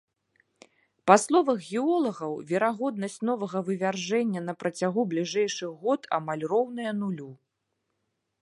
Па словах геолагаў, верагоднасць новага вывяржэння на працягу бліжэйшых год амаль роўная нулю.